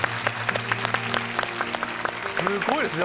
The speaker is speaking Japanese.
すごいですね